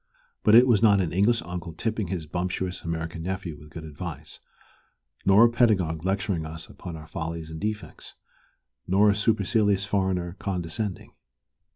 But it was not an English uncle "tipping" his bumptious American nephew with good advice, nor a pedagogue lecturing us upon our follies and defects, nor a supercilious foreigner condescending.